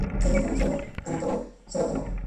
Se encuentra en suelo en matorral xerófilo.